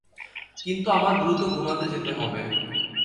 কিন্তু আমার দ্রুত ঘুমাতে যেতে হবে।